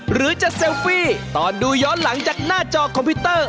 หรือจะเซลฟี่ตอนดูย้อนหลังจากหน้าจอคอมพิวเตอร์